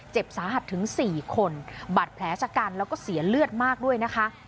เจ็บสาหัสถึง๔คนบาดแผลชะกันแล้วก็เสียเลือดมากด้วยนะคะ